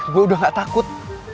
gue udah gak takut